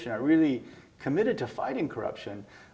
sangat bersemangat untuk menangani korupsi